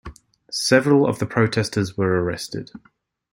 Several of the protesters were arrested.